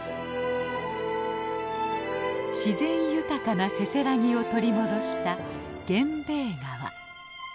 自然豊かなせせらぎを取り戻した源兵衛川。